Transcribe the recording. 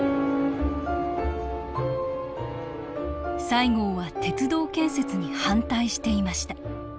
西郷は鉄道建設に反対していました。